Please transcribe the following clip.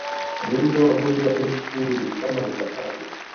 Muundo wa Bodi ya Benki Kuu ni kama ifuatavyo